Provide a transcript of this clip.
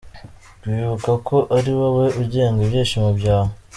Kwibuka ko ari wowe ugenga ibyishimo byawe.